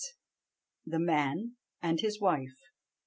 THE MAN AND HIS WIFE.